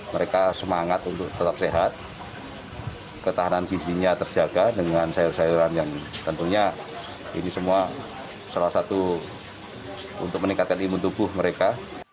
mereka semangat untuk tetap sehat ketahanan gizinya terjaga dengan sayur sayuran yang tentunya ini semua salah satu untuk meningkatkan imun tubuh mereka